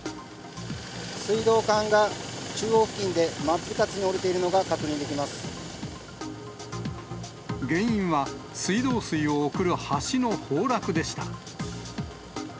水道管が中央付近で真っ二つ原因は、水道水を送る橋の崩落でした。